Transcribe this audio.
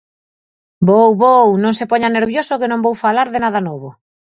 Vou vou, non se poña nervioso que non vou falar de nada novo.